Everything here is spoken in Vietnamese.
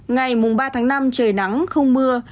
ngày mùa ba tháng năm trời nắng không mưa